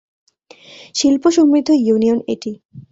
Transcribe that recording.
শিল্প সমৃদ্ধ ইউনিয়ন এটি।